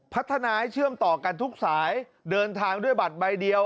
พัฒนาให้เชื่อมต่อกันทุกสายเดินทางด้วยบัตรใบเดียว